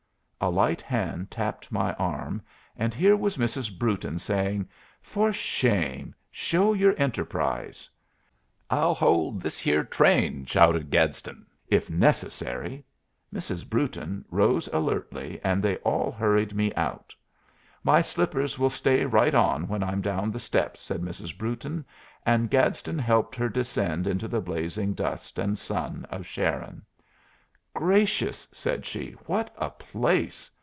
A light hand tapped my arm, and here was Mrs. Brewton saying: "For shame! Show your enterprise." "I'll hold this yere train," shouted Gadsden, "if necessary." Mrs. Brewton rose alertly, and they all hurried me out. "My slippers will stay right on when I'm down the steps," said Mrs. Brewton, and Gadsden helped her descend into the blazing dust and sun of Sharon. "Gracious!" said she, "what a place!